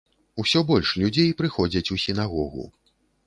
Усё больш людзей прыходзяць у сінагогу.